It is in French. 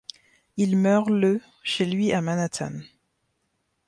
Il meurt le chez lui à Manhattan.